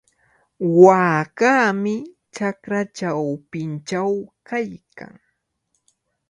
Waakami chakra chawpinchaw kaykan.